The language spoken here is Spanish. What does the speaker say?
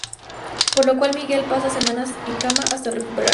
Por lo cual Miguel pasa semanas en cama hasta recuperarse.